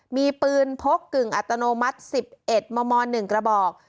มีปืนพกกึ่งอัตโนมัติ๑๑มม๑กระบอก